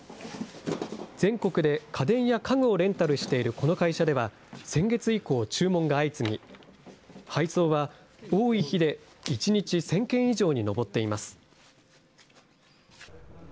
全国で家電や家具をレンタルしているこの会社では、先月以降、注文が相次ぎ、配送は多い日で１日１０００件以上に上っています。